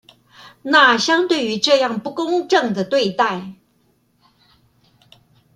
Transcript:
那相對於這樣不公正的對待